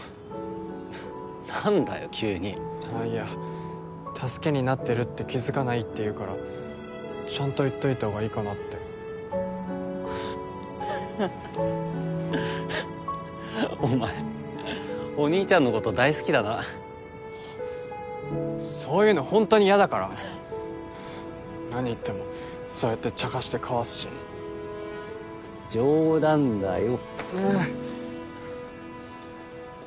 何だよ急にあっいや助けになってるって気づかないって言うからちゃんと言っといた方がいいかなってお前お兄ちゃんのこと大好きだなそういうのホントに嫌だから何言ってもそうやってちゃかしてかわすし冗談だよ